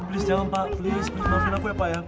please jangan pak please maafin aku ya pak